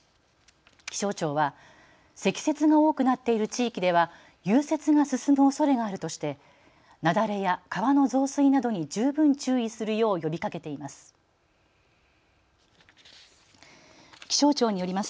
気象庁は積雪が多くなっている地域では融雪が進むおそれがあるとして雪崩や川の増水などに十分注意するよう呼びかけています。